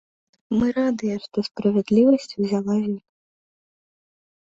Мы радыя, што справядлівасць узяла верх.